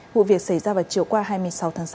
vụ việc xảy ra vào chiều qua hai mươi sáu tháng sáu